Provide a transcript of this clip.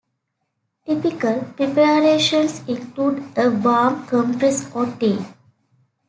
Typical preparations include a warm compress or tea.